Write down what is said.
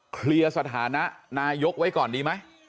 เคลียร์สถานะนายกไว้ก่อนดีไหม